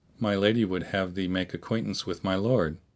My lady would have thee make acquaintance with my lord."